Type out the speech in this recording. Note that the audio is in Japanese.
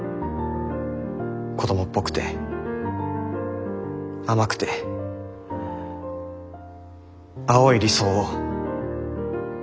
子供っぽくて甘くて青い理想を。